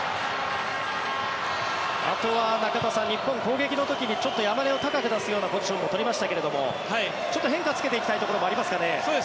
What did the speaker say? あとは中田さん日本は攻撃の時に、山根を高く出すようなポジションも取りましたけどちょっと変化をつけていきたいところもありますかね。